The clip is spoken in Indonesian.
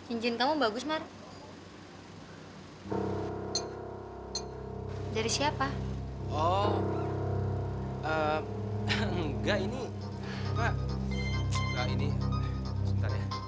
oke sebentar ya